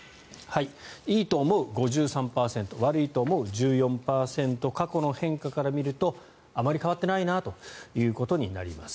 いいと思う、５３％悪いと思う、１４％過去の変化から見るとあまり変わってないなということになります。